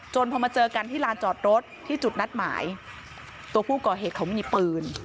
พอมาเจอกันที่ลานจอดรถที่จุดนัดหมายตัวผู้ก่อเหตุเขามีปืน